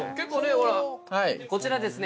はいこちらですね